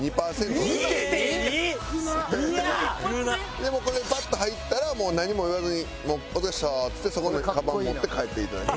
でもこれパッと入ったらもう何も言わずに「お疲れっした」っつってそこのカバンを持って帰って頂いて。